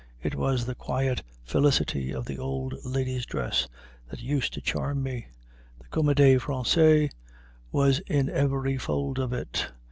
It was the quiet felicity of the old lady's dress that used to charm me; the Comédie Française was in every fold of it.